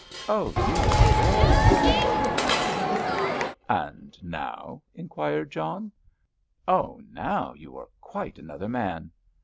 Oh, you were very difficult, mon ami!" "And now?" inquired John. "Oh, now, you are quite another man."